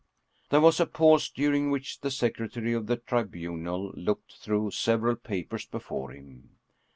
There was a pause, during which the secretary of the Tribunal looked through several papers before him.